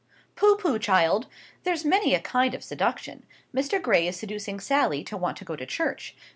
"Pooh, pooh, child! There's many a kind of seduction. Mr. Gray is seducing Sally to want to go to church.